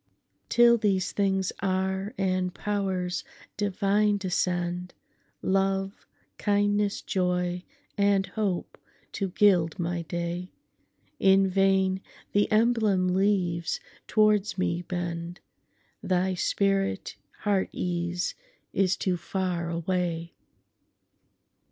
Till these things are, and pow'rs divine descend,—Love, kindness, joy, and hope to gild my day,—In vain the emblem leaves towards me bend; Thy spirit, Heart Ease, is too far away!